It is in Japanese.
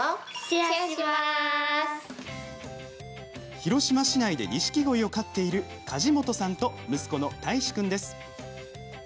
広島市内でニシキゴイを飼っている梶本さんと息子の大志君です。